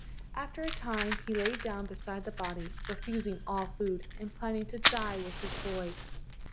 After a time he lay down beside the body, refusing all food, and planning to die with his boy.